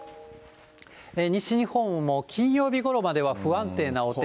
西日本も金曜日ごろまでは不安定なお天気。